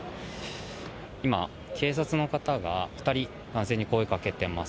今、警察の方が２人男性に声をかけています。